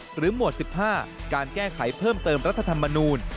หมวด๑๕การแก้ไขเพิ่มเติมรัฐธรรมนูล